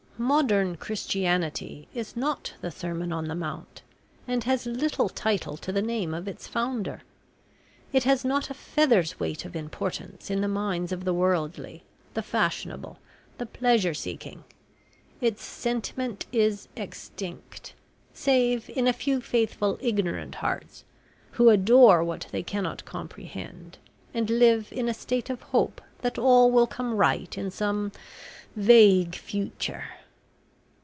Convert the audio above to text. Modern Christianity is not the Sermon on the Mount, and has little title to the name of its founder. It has not a feather's weight of importance in the minds of the worldly, the fashionable, the pleasure seeking; its sentiment is extinct, save in a few faithful ignorant hearts, who adore what they cannot comprehend, and live in a state of hope that all will come right in some vague future."